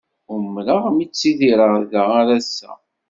Umreɣ mi ttidireɣ da ar ass-a.